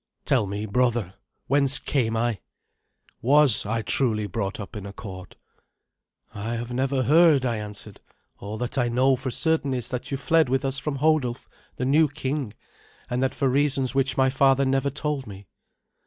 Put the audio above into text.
"Tell me, brother, whence came I? /Was/ I truly brought up in a court?" "I have never heard," I answered. "All that I know for certain is that you fled with us from Hodulf, the new king, and that for reasons which my father never told me."